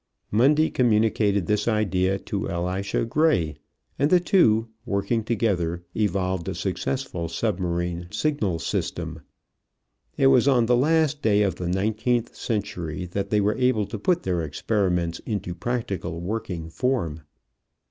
Mundy communicated this idea to Elisha Gray, and the two, working together, evolved a successful submarine signal system. It was on the last day of the nineteenth century that they were able to put their experiments into practical working form.